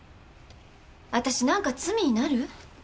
私なんか罪になる？